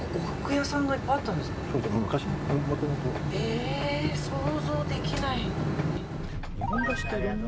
えー、想像できない。